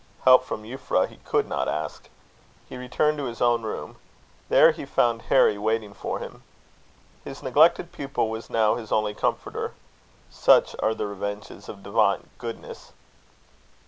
Help from Euphra he could not ask. He returned to his own room. There he found Harry waiting for him. His neglected pupil was now his only comforter. Such are the revenges of divine goodness.